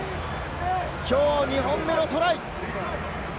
きょう２本目のトライ！